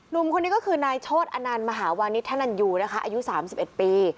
หนุ่มคนนี้ก็คือนายโชธอนันต์มหาวานิทธนันยูนะคะอายุ๓๑ปี